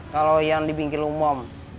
kalau yang dipinggil umum